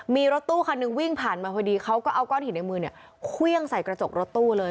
มีรถตู้คันหนึ่งวิ่งผ่านมาพอดีเขาก็เอาก้อนหินในมือเนี่ยเครื่องใส่กระจกรถตู้เลย